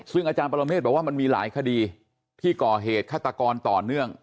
ซึ่งอาจารย์ปรเมฆบอกว่ามันมีหลายคดีที่ก่อเหตุฆาตกรต่อเนื่อง